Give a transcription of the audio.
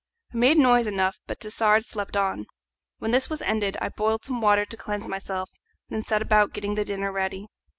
I made noise enough, but Tassard slept on. When this was ended I boiled some water to cleanse myself, and then set about getting the dinner ready.